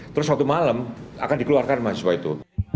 terus suatu malam akan dikeluarkan mahasiswa itu